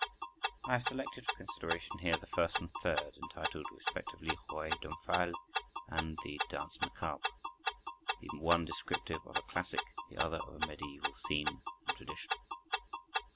I have selected for consideration here the first and third, entitled respectively the "Rouet d'Omphale" and the "Danse Macabre"; the one descriptive of a classic, the other of a medieval scene and tradition.